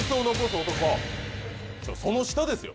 その下ですよ